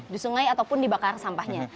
di sungai ataupun dibakar sampahnya